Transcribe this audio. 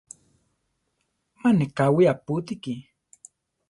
¡Ma neʼé káwi apútiki!